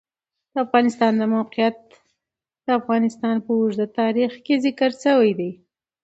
د افغانستان د موقعیت د افغانستان په اوږده تاریخ کې ذکر شوی دی.